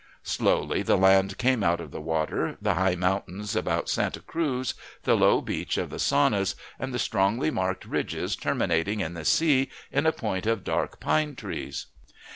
Slowly the land came out of the water, the high mountains about Santa Cruz, the low beach of the Saunas, and the strongly marked ridge terminating in the sea in a point of dark pine trees.